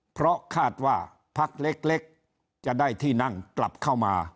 เพราะคาดว่าพักเล็กจะได้ที่นั่งกลับเข้ามา